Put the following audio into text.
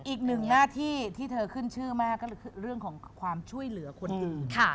อีกหนึ่งหน้าที่ที่เธอขึ้นชื่อมากก็คือเรื่องของความช่วยเหลือคนอื่น